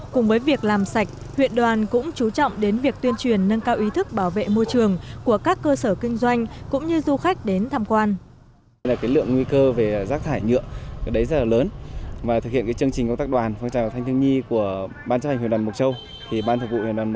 cùng với việc làm sạch huyện đoàn cũng chú trọng đến việc tuyên truyền nâng cao ý thức bảo vệ môi trường của các cơ sở kinh doanh cũng như du khách đến tham quan